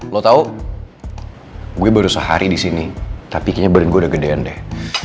lo tau gue baru sehari di sini tapi kayaknya badan gue udah gedean deh